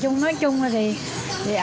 nói chung là